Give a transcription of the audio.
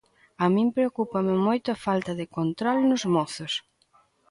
A min preocúpame moito a falta de control nos mozos.